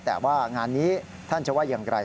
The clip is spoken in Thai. แต่ว่างานนี้ท่านจะว่าอย่างไร